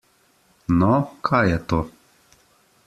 No, kaj je to?